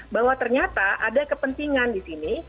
bahwa ternyata ada kepentingan di sini